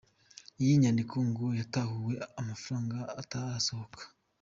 Iyi nyandiko ngo yatahuwe amafaranga atarasohoka.